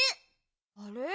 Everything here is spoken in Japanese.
あれ？